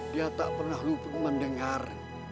dia tak pernah luput mendengar